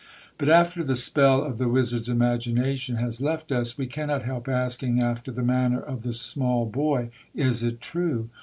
But after the spell of the wizard's imagination has left us, we cannot help asking, after the manner of the small boy, Is it true?